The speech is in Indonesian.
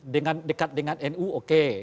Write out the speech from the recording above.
dekat dengan nu oke